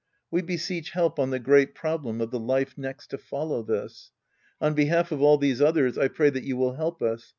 We beseech help on the great problem of the life next to follow this. On behalf of all these others, I pray that you will help us.